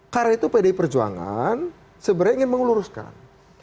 karena itu pdi perjuangan sebenarnya ingin mengeluruskan